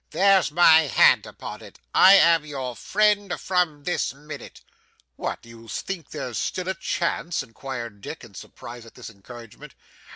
There's my hand upon it; I am your friend from this minute.' 'What! do you think there's still a chance?' inquired Dick, in surprise at this encouragement.